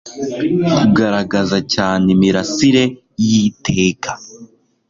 Kugaragaza cyane imirasire y'iteka